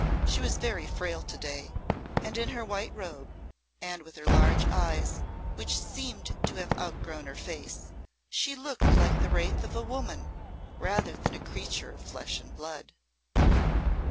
She was very frail to day, and in her white robe, and with her large eyes which seemed to have outgrown her face, she looked like the wraith of a woman rather than a creature of flesh and blood.